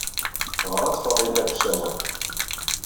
Teɣra-d Faḍila deg usawal.